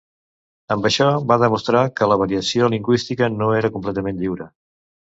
Amb això va demostrar que la variació lingüística no era completament lliure.